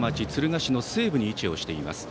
敦賀市の西部に位置しています。